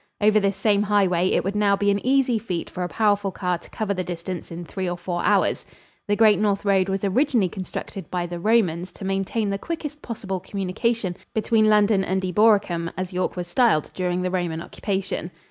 Over this same highway it would now be an easy feat for a powerful car to cover the distance in three or four hours. The great North Road was originally constructed by the Romans to maintain the quickest possible communication between London and Eboracum, as York was styled during the Roman occupation.